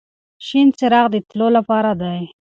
شین څراغ د تلو لپاره دی.